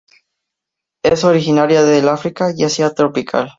Es originaria del África y Asia tropical.